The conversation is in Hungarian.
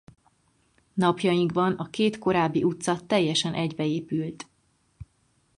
Napjainkban a két korábbi utca teljesen egybeépült.